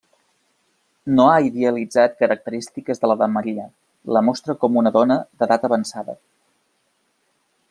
No ha idealitzat característiques de la de Maria, la mostra com una dona d'edat avançada.